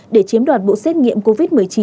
để chiếm đoạt bộ xét nghiệm covid một mươi chín